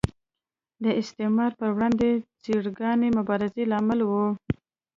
د استعمار پر وړاندې ځیرکانه مبارزه لامل و.